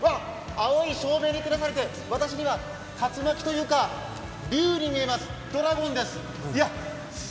青い照明に照らされて、私には竜巻というか、龍に見えます、ドラゴンです。